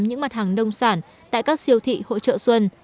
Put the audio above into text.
những mặt hàng nông sản tại các siêu thị hộ chợ xuân